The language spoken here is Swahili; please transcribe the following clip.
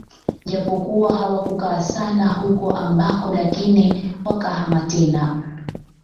Japokuwa hawakukaa sana huko ambako lakini wakahama tena